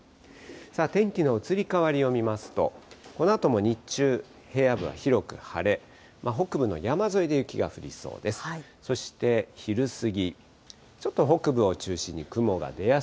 天気の移り変わりを見ますと、このあとも日中、平野部は広く晴れ、北部の山沿いで雪が降りそうです。